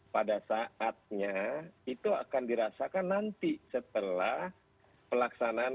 pada saatnya itu akan dirasakan nanti setelah pelaksanaan